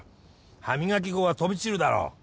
歯磨き粉が飛び散るだろ。